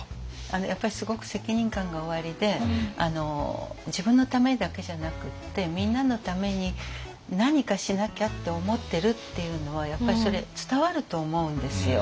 やっぱりすごく責任感がおありで自分のためだけじゃなくってみんなのために何かしなきゃって思ってるっていうのはやっぱりそれ伝わると思うんですよ。